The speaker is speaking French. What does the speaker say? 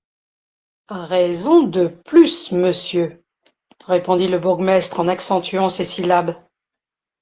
Raison de plus, monsieur, répondit le bourgmestre en accentuant ses syllabes.